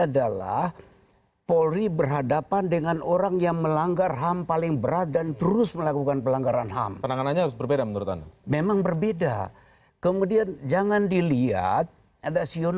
kalau ada salah seorang koruptor yang sudah rame diperbincangan di media